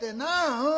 うん。